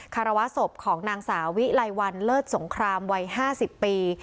คารวะศพของนางสาวิไลวันเลิศสงครามวัย๕๐ปี